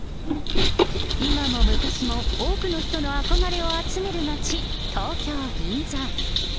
今も昔も多くの人の憧れを集める街、東京・銀座。